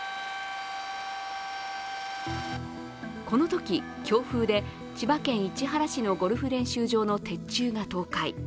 このとき強風で千葉県市原市のゴルフ練習場の鉄柱が倒壊。